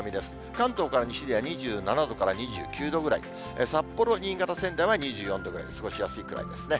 関東から西では２７度から２９度ぐらい、札幌、新潟、仙台は２４度ぐらい、過ごしやすい感じですね。